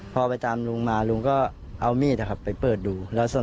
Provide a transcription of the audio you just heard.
พอไปตามลุงมาลุงก็เอามีดไปเปิดดู